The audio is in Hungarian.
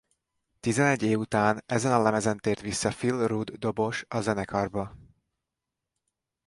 Tizenegy év után ezen a lemezen tért vissza Phil Rudd dobos a zenekarba.